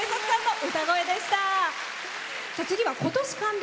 次は今年、還暦。